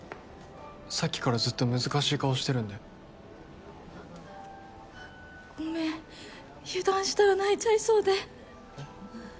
さっきからずっと難しい顔してるんでごめん油断したら泣いちゃいそうでえっ？